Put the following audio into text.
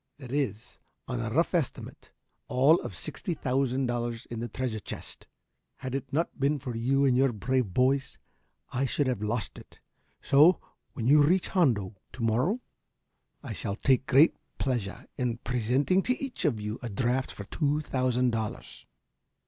"There is, on a rough estimate, all of sixty thousand dollars in the treasure chest. Had it not been for you and your brave boys I should have lost it. So, when you reach Hondo to morrow, I shall take great pleasure in presenting to each of you a draft for two thousand dollars."